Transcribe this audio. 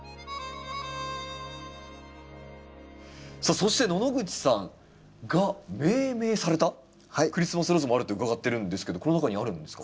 さあそして野々口さんが命名されたクリスマスローズもあるって伺ってるんですけどこの中にあるんですか？